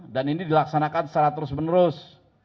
dan ini dilaksanakan secara terus menerus